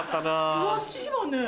詳しいわね。